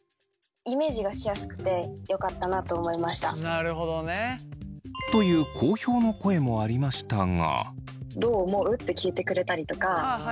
なるほどね。という好評の声もありましたが。